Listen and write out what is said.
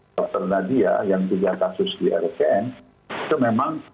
dr nadia yang tiga kasus di rsn itu memang